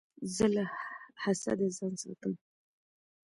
زه له حسده ځان ساتم.